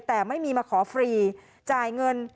แต่ไม่มีมาขอฟรีจ่ายเงิน